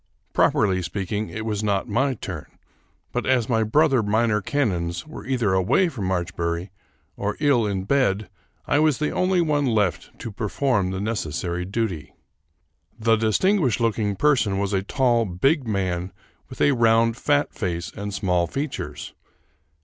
Properly speaking, it was not my turn ; but, as my brother minor canons were either away from Marchbury or ill in bed, I was the only one left to perform the necessary duty. The distinguished looking person was a tall, big man with a round fat face and small features.